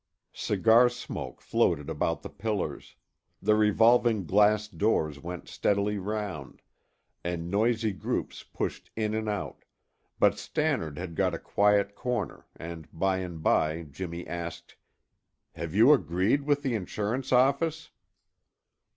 Cigar smoke floated about the pillars; the revolving glass doors went steadily round, and noisy groups pushed in and out, but Stannard had got a quiet corner and by and by Jimmy asked: "Have you agreed with the insurance office?"